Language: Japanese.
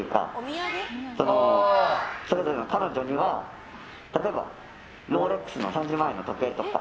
それぞれの彼女には例えばロレックスの３０万円の時計とか。